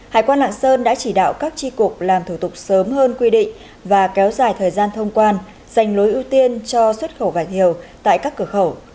hải quan lạng sơn đã chỉ đạo các tri cục làm thủ tục sớm hơn quy định và kéo dài thời gian thông quan dành lối ưu tiên cho xuất khẩu vải thiều tại các cửa khẩu